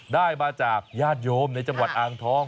ได้มาจากญาติโยมในจังหวัดอ่างทอง